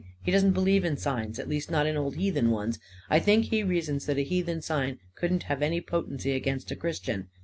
He doesn't believe in signs — at least not in old heathen ones. I think he reasons that a heathen sigh couldn't have any potency against a Christian.